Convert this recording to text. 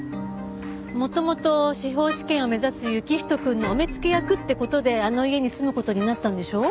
元々司法試験を目指す行人くんのお目付け役って事であの家に住む事になったんでしょ？